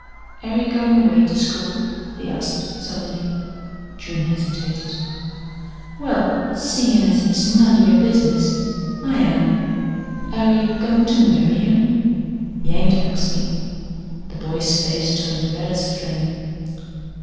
"Air ye goin' away to school?" he asked suddenly. June hesitated. "Well, seein' as hit's none o' yo' business I am." "Air ye goin' to marry him?" "He ain't axed me." The boy's face turned red as a flame.